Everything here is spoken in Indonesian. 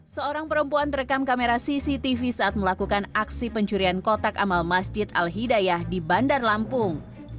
seorang perempuan terekam kamera cctv saat melakukan aksi pencurian kotak amal masjid al hidayah di bandar lampung